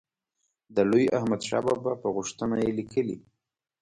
د لوی احمدشاه بابا په غوښتنه یې لیکلی.